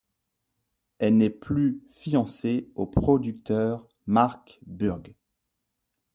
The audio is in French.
Elle n'est plus fiancée au producteur Mark Burg.